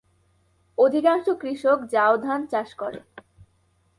অধিকাংশ কৃষক জাও ধান চাষ করে।